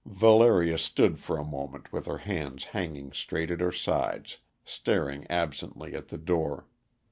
Valeria stood for a moment with her hands hanging straight at her sides, staring absently at the door.